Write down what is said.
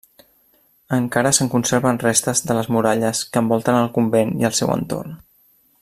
Encara se'n conserven restes de les muralles que envoltaven el convent i el seu entorn.